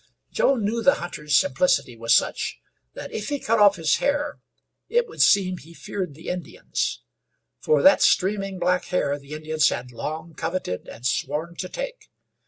Joe knew the hunter's simplicity was such, that if he cut off his hair it would seem he feared the Indians for that streaming black hair the Indians had long coveted and sworn to take.